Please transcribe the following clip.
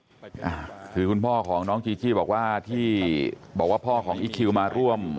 ก็มีแต่คลิปที่มีการเผยแพร่กันแล้วก็เห็นส่วนงานชาปนักกิจวันนี้เนี่ยทางฝั่งครอบครัวของอีกคิวไม่ได้มา